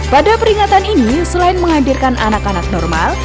pada peringatan ini selain menghadirkan anak anak normal